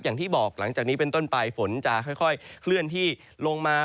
อย่างที่บอกหลังจากนี้เป็นต้นไปฝนจะค่อยเคลื่อนที่ลงมา